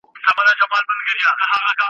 دا کږې وږي بګړۍ به ,